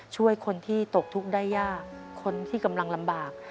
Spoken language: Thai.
ช่วยคนที่ตกทุกข์ได้ยากคนที่กำลังลำบาก